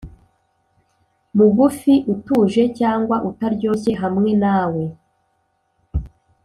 mugufi-utuje cyangwa utaryoshye hamwe nawe,